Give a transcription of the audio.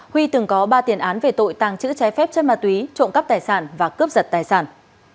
huy từng có ba tiền án về tội tàng trữ trái phép chân ma túy trộm cắp tài sản và cướp giật tài sản